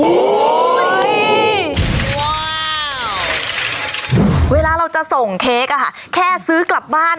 โอ้โหว้าวเวลาเราจะส่งเค้กอะค่ะแค่ซื้อกลับบ้าน